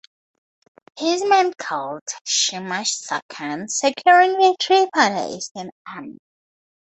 His men killed Shima Sakon, securing victory for the Eastern army.